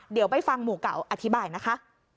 เดี๋ยวไปฟังหมู่เก่าอธิบายนะคะ